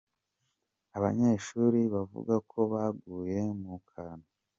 Abanyeshuri bavuga ko baguye mu kantu.